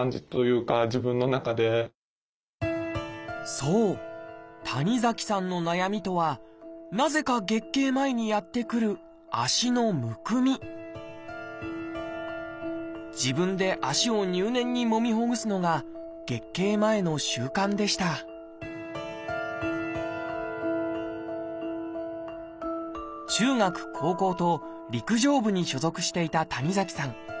そう谷崎さんの悩みとはなぜか月経前にやってくる自分で足を入念にもみほぐすのが月経前の習慣でした中学高校と陸上部に所属していた谷崎さん。